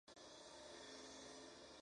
Dejó el cargo en septiembre del mismo año.